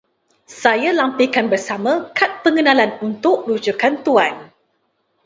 Saya lampirkan bersama kad pengenalan untuk rujukan Tuan.